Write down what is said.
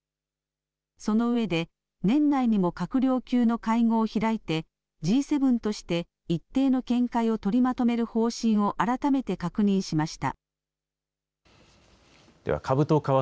そのうえで年内にも閣僚級の会合を開いてＧ７として一定の見解を取りまとめる方針を改めて確認しました。